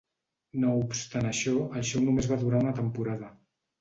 No obstant això, el xou només va durar una temporada.